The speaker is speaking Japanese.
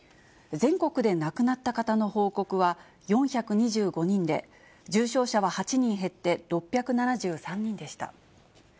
全国で亡くなった方の報告は４２５人で、重症者は８人減って６７３人でした。